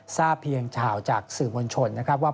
ทราบเพียงเฉาะจากสื่อมวลชนว่า